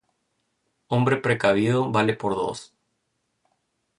Hombre precavido, vale por dos.